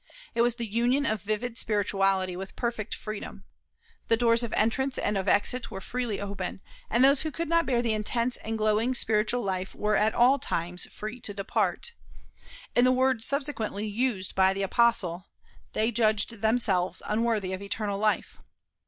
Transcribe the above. It was the union of vivid spirituality with perfect freedom. The doors of entrance and of exit were freely open; and those who could not bear the intense and glowing spiritual life were at all times free to depart; in the words subsequently used by the Apostle, "they judged themselves unworthy of eternal life."